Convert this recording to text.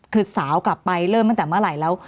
คือสาวกลับไปเริ่มตั้งแต่เมื่อไหร่แล้ว